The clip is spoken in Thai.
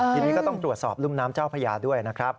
ทีนี้ก็ต้องตรวจสอบรุ่มน้ำเจ้าพญาด้วยนะครับ